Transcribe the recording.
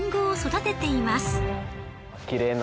きれいな。